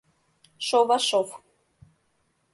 Шовашов.